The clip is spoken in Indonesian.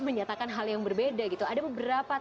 menyatakan hal yang berbeda gitu ada beberapa